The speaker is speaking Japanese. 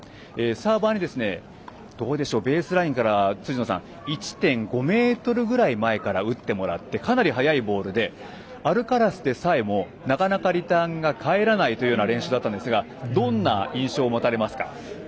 サーバーにベースラインから１．５ｍぐらい前から打ってもらってかなり速いボールでアルカラスでさえもなかなかリターンが返らないという練習だったんですがどんな印象を持たれますか？